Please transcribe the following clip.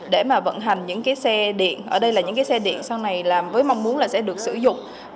để mà vận hành những cái xe điện ở đây là những cái xe điện sau này là với mong muốn là sẽ được sử dụng